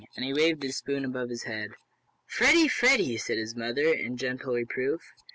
and he waved his spoon above his head. "Freddie Freddie!" said his mother, in gentle reproof.